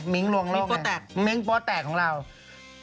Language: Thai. มิ๊งค์ลงท์ร่วงไก่มิ๊งค์โป้แตกนี่เปลี่ยนใคร